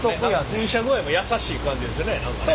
噴射具合も優しい感じですね何かね。